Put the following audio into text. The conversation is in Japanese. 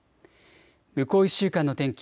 向こう１週間の天気。